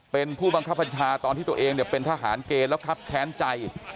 เป็นผู้บังคับบัญชาตอนที่ตัวเองเป็นทหารเกณฑ์แล้วครับแค้นใจ